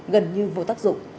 gần như vô tác dụng